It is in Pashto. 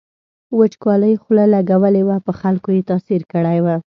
وچکالۍ خوله لګولې وه په خلکو یې تاثیر کړی و.